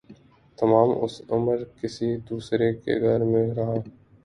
تمام عمر کسی دوسرے کے گھر میں رہا